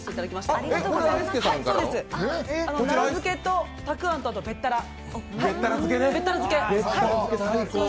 たくあんと、べったら漬け。